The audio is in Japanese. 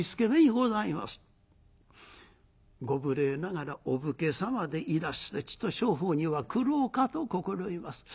ご無礼ながらお武家様でいらしてちと商法には苦労かと心得ます。